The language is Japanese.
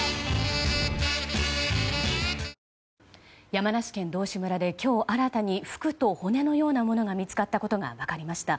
山梨県道志村で今日、新たに服と骨のようなものが見つかったことが分かりました。